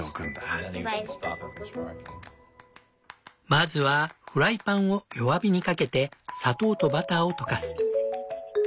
まずはフライパンを弱火にかけて砂糖とバターを溶かす。